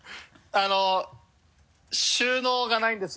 あの収納がないんです。